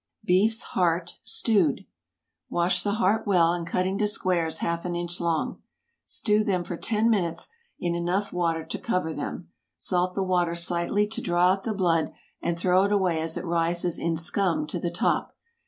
BEEF'S HEART—STEWED. Wash the heart well, and cut into squares half an inch long. Stew them for ten minutes in enough water to cover them. Salt the water slightly to draw out the blood, and throw it away as it rises in scum to the top.